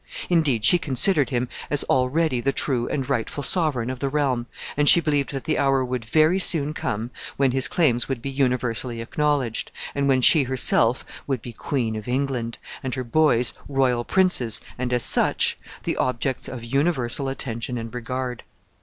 Indeed, she considered him as already the true and rightful sovereign of the realm, and she believed that the hour would very soon come when his claims would be universally acknowledged, and when she herself would be Queen of England, and her boys royal princes, and, as such, the objects of universal attention and regard.